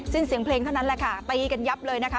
สิ้นเสียงเพลงเท่านั้นแหละค่ะตีกันยับเลยนะคะ